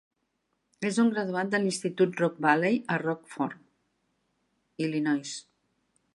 És un graduat de l'Institut Rock Valley a Rockford, Illinois.